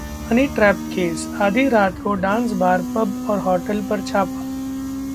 Honey trap case: आधी रात को डांस बार, पब और होटल पर छापा